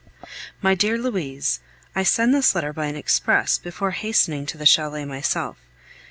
My dear Louise, I send this letter by an express before hastening to the chalet myself.